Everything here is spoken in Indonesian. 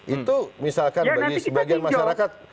itu misalkan bagi sebagian masyarakat